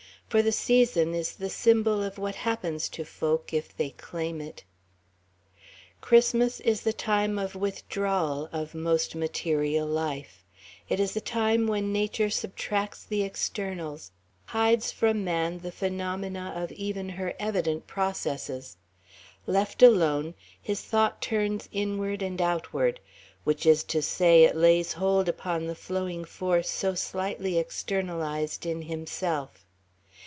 For the season is the symbol of what happens to folk if they claim it. Christmas is the time of withdrawal of most material life. It is the time when nature subtracts the externals, hides from man the phenomena of even her evident processes. Left alone, his thought turns inward and outward which is to say, it lays hold upon the flowing force so slightly externalized in himself.